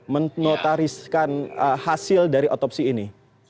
menotariskan hasil dari otopsi ini